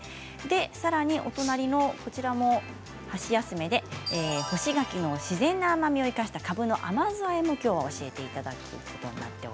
さらにお隣の箸休めで干し柿の自然な甘みを生かしたかぶの甘酢あえも教えていただきます。